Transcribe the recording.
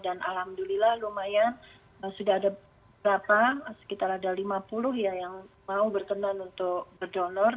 dan alhamdulillah lumayan sudah ada berapa sekitar ada lima puluh ya yang mau berkenan untuk berdonor